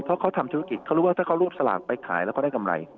เพราะเขาทำธุรกิจเขารู้ว่าถ้าเขารูปสลากไปขายแล้วเขาได้กำไร